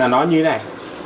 nó như thế này